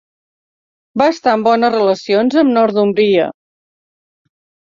Va estar en bones relacions amb Northúmbria.